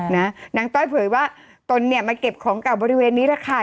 นางต้อยเผยว่าตนเนี่ยมาเก็บของเก่าบริเวณนี้แหละค่ะ